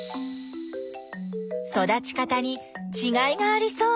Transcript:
育ち方にちがいがありそう。